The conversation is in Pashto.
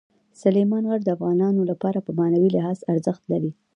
سلیمان غر د افغانانو لپاره په معنوي لحاظ ارزښت لري.